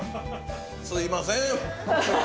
すいません！